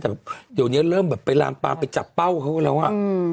แต่เดี๋ยวนี้เริ่มแบบไปลามปามไปจับเป้าเขาก็แล้วอ่ะ